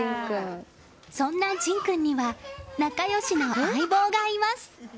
そんな仁君には仲良しの相棒がいます！